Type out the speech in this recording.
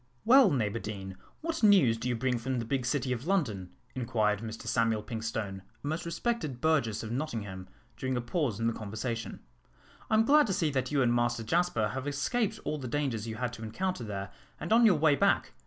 "Well, Neighbour Deane, what news do you bring from the big city of London?" inquired Mr Samuel Pinkstone, a most respected burgess of Nottingham, during a pause in the conversation. "I am glad to see that you and Master Jasper have escaped all the dangers you had to encounter there and on your way back.